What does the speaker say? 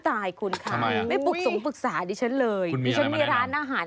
อะไรอร่อยคุณซื้อมาเท่าไหร่